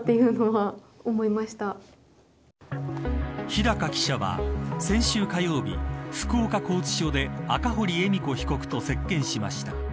日高記者は先週火曜日福岡拘置所で赤堀恵美子被告と接見しました。